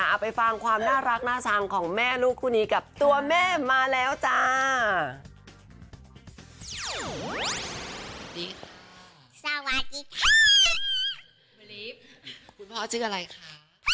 เอาไปฟังความน่ารักน่าชังของแม่ลูกคู่นี้กับตัวแม่มาแล้วจ้า